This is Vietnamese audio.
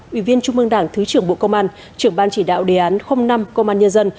ủy viên trung mương đảng thứ trưởng bộ công an trưởng ban chỉ đạo đề án năm công an nhân dân